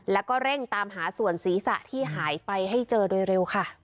แล้วก็เร่งตามหาส่วนศีรษะที่หายไปให้เจอโดยเร็วค่ะ